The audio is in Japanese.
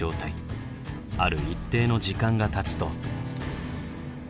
ある一定の時間がたつと。